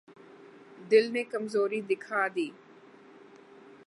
دل نے کمزوری دکھا دی۔